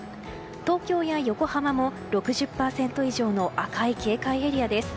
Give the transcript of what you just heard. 東京や横浜も６０％以上の赤い警戒エリアです。